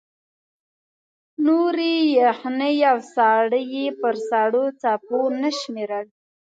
نورې یخنۍ او ساړه یې پر سړو څپو نه شمېرل.